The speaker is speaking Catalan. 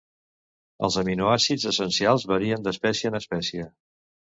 Els aminoàcids essencials varien d'espècie en espècie.